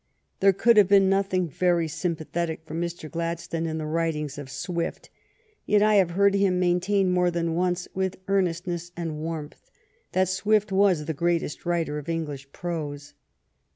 There could have been nothing very sympathetic for Mr. Gladstone in the writings of Swift; yet I have heard him maintain more than once with earnest ness and warmth that Swift was the greatest writer of English prose.